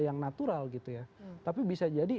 yang natural gitu ya tapi bisa jadi